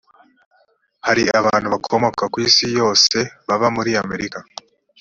hari abantu bakomoka ku isi yose baba muri amerika